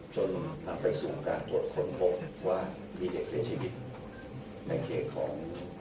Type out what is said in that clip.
จนนำไปสู่การตรวจค้นพบว่ามีเด็กเสียชีวิตในเขตของ